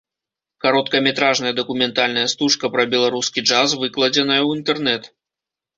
Кароткаметражная дакументальная стужка пра беларускі джаз выкладзеная ў інтэрнэт.